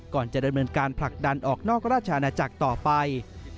ก่อนจะดำเนินการผลักดันออกนอกราชอาณาจักรต่อไป